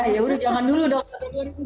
ya udah jangan dulu dong